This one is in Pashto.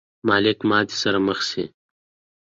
مالک ماتې سره مخ شي.